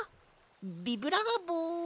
ビブラーボ。